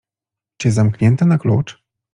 Czy zamknięte na klucz?